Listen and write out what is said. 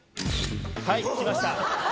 はいきました